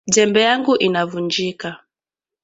Jembe yangu inavunjika